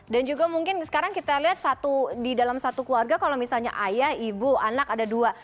dan juga mungkin sekarang kita lihat di dalam satu keluarga kalau misalnya ayah ibu anak ada dua